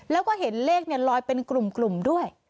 แล้วก็เห็นเลขลอยเป็นกลุ่มด้วย